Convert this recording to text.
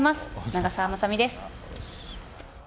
長澤まさみです。